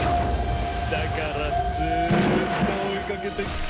だからずーっと追いかけてきたんだ。